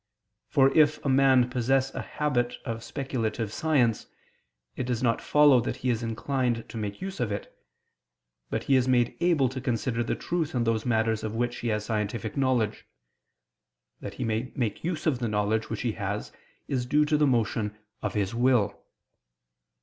For if a man possess a habit of speculative science, it does not follow that he is inclined to make use of it, but he is made able to consider the truth in those matters of which he has scientific knowledge: that he make use of the knowledge which he has, is due to the motion of his will.